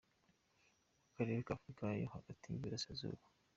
Mu karere ka Afurika yo hagati n’iburasirazuba.